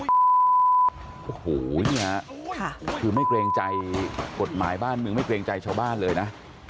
โอ้โหนี่ฮะคือไม่เกรงใจกฎหมายบ้านเมืองไม่เกรงใจชาวบ้านเลยนะ